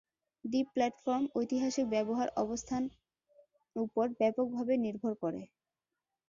দ্বীপ প্ল্যাটফর্ম ঐতিহাসিক ব্যবহার অবস্থান উপর ব্যাপকভাবে নির্ভর করে।